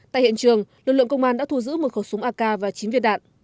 tại hiện trường lực lượng công an đã thu giữ một khẩu súng ak và chín viên đạn